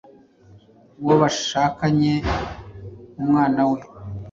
uwo bashakanye, umwana we